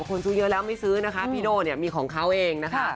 คนซื้อเยอะแล้วไม่ซื้อนะคะพี่โด่เนี่ยมีของเขาเองนะคะ